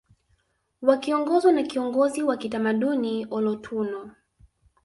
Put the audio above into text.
Wakiongozwa na kiongozi wa kitamaduni olotuno